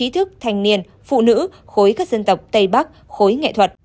thức thanh niên phụ nữ khối các dân tộc tây bắc khối nghệ thuật